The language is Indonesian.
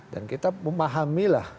dan kita memahami lah